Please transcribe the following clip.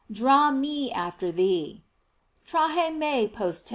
Draw me after thee: "Trahe me post te."